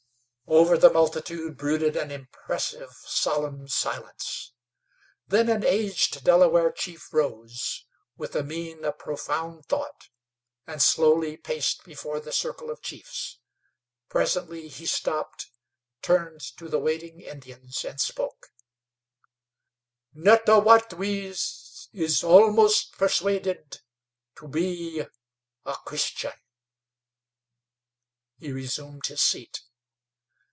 '" Over the multitude brooded an impressive, solemn silence. Then an aged Delaware chief rose, with a mien of profound thought, and slowly paced before the circle of chiefs. Presently he stopped, turned to the awaiting Indians, and spoke: "Netawatwees is almost persuaded to be a Christian." He resumed his seat.